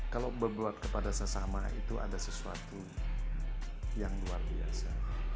kalau berbuat kepada sesama itu ada sesuatu yang luar biasa